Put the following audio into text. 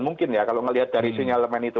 mungkin ya kalau melihat dari sinyal elemen itu